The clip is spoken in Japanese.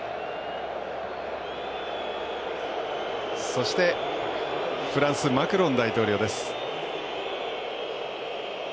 そして、フランスのマクロン大統領です。